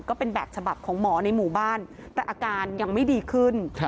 ก็เป็นแบบฉบับของหมอในหมู่บ้านแต่อาการยังไม่ดีขึ้น